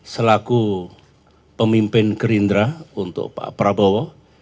selaku pemimpin gerindra untuk pak prabowo